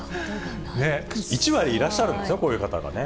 １割いらっしゃるんですよ、こういう方がね。